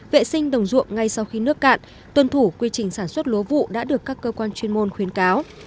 vệ sinh đồng ruộng ngay sau khi nước cạn tuân thủ quy trình sản xuất lúa vụ đã được các cơ quan chuyên môn khuyến cáo